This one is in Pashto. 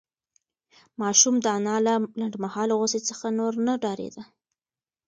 ماشوم د انا له لنډمهاله غوسې څخه نور نه ډارېده.